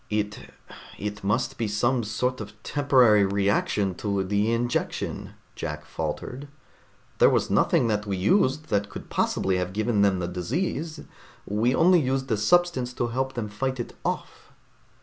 "It it must be some sort of temporary reaction to the injection," Jack faltered. "There was nothing that we used that could possibly have given them the disease, we only used a substance to help them fight it off."